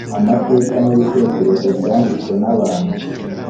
amateka n ibitekerezo byanditswe n abantu